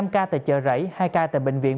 năm ca tại chợ rẫy hai ca tại bệnh viện